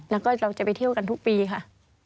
แล้วก็เราจะไปเที่ยวกันทุกปีค่ะ